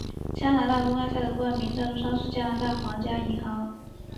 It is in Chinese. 加拿大公开赛的冠名赞助商是加拿大皇家银行。